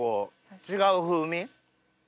違う風味。